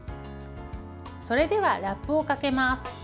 それではラップをかけます。